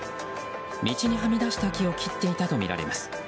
道にはみ出した木を切っていたとみられます。